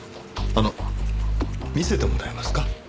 あの見せてもらえますか？